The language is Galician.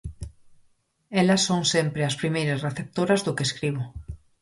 Elas son sempre as primeiras receptoras do que escribo.